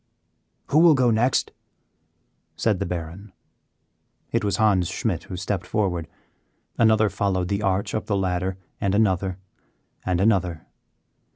"Who will go next?" said the Baron. It was Hans Schmidt who stepped forward. Another followed the arch up the ladder, and another, and another.